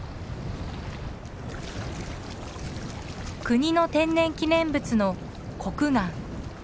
国の天然記念物のコクガン。